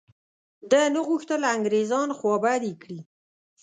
ده نه غوښتل انګرېزان خوابدي کړي.